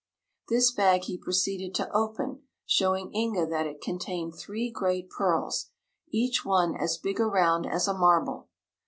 This bag he proceeded to open, showing Inga that it contained three great pearls, each one as big around as a marble.